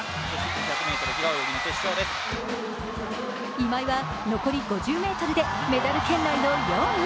今井は残り５０ｍでメダル圏内の４位。